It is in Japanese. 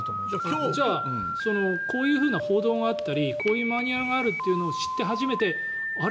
じゃあこういう報道があったりこういうマニュアルがあるというのを知って初めてあれ？